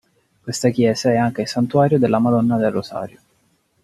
Questa chiesa è anche il santuario della Madonna del Rosario.